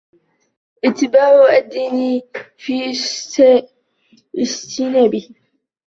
اتِّبَاعُ الدِّينِ فِي اجْتِنَابِهِ